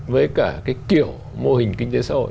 với cả cái kiểu mô hình kinh tế xã hội